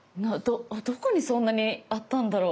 どこにそんなにあったんだろう？